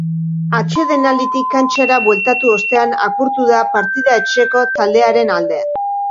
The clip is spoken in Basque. Atsedenalditik kantxara bueltatu ostean apurtu da partida etxeko taldearen alde.